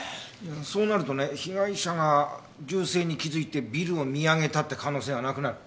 うんそうなるとね被害者が銃声に気づいてビルを見上げたって可能性はなくなる。